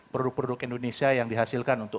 produk produk indonesia yang dihasilkan untuk